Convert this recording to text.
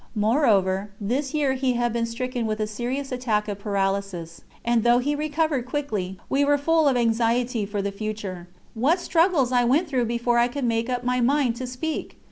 Moreover, this year he had been stricken with a serious attack of paralysis, and though he recovered quickly we were full of anxiety for the future. What struggles I went through before I could make up my mind to speak!